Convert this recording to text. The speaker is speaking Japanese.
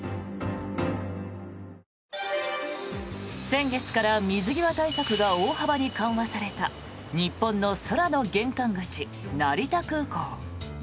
先月から水際対策が大幅に緩和された日本の空の玄関口、成田空港。